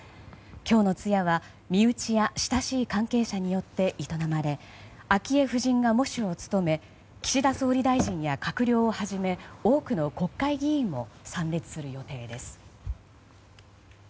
今日の通夜は身内や親しい関係者によって営まれ、昭恵夫人が喪主を務め岸田総理大臣や閣僚をはじめ多くの国会議員も参列する予定です。